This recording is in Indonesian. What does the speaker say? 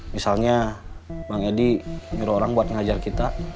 misalnya bang edi nyuruh orang buat ngajar kita